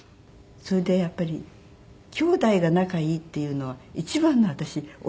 それでやっぱり姉妹が仲いいっていうのは一番の私親孝行だと。